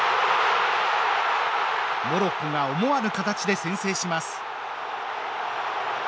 モロッコが思わぬ形で先制します。